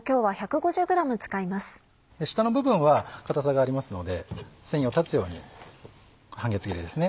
下の部分は硬さがありますので繊維を断つように半月切りですね。